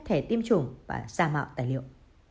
thẻ tiêm chủng và ra mạo tài liệu